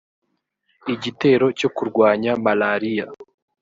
igitero cyo kurwanya malariya